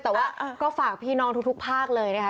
แต่ว่าก็ฝากพี่น้องทุกภาคเลยนะคะ